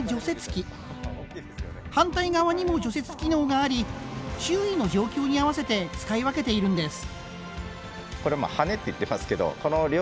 反対側にも除雪機能があり周囲の状況に合わせて使い分けているんです。